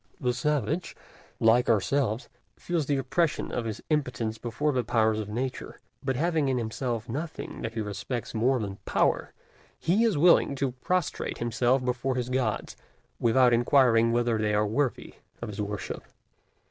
The savage, like ourselves, feels the oppression of his impotence before the powers of Nature; but having in himself nothing that he respects more than Power, he is willing to prostrate himself before his gods, without inquiring whether they are worthy of his worship.